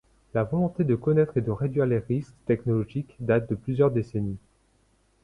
La volonté de connaître et de réduire les risques technologiques date de plusieurs décennies.